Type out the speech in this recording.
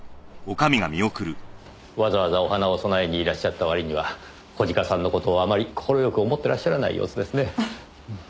わざわざお花を供えにいらっしゃった割には小鹿さんの事をあまり快く思ってらっしゃらない様子ですね。